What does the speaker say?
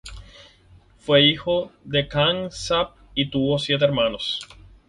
Fue hijo de Canaán Sapag y tuvo siete hermanos.